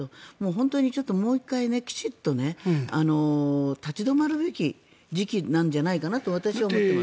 本当にもう１回、きちんと立ち止まるべき時期なんじゃないかなと私は思っています。